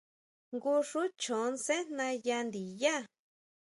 Jngu xú choon sejna yá ndiyá.